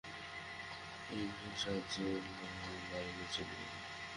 এ বিষয়ে ভাগবতের সাহায্য না লইলে চলিবে না।